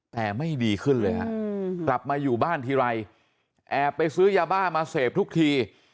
แต่ไม่ดีขึ้นเลยฮะกลับมาอยู่บ้านทีไรแอบไปซื้อยาบ้ามาเสพทุกที